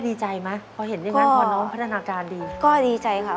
ดีใจไหมพอเห็นอย่างนั้นพอน้องพัฒนาการดีก็ดีใจค่ะ